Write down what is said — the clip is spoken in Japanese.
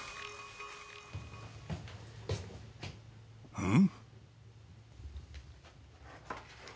うん？